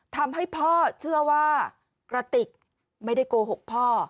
ทำให้พ่อเชื่อว่ากระติกไม่ได้โกหกพ่อ